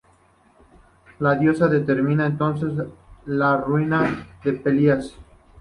La diosa determinaría entonces la ruina de Pelias.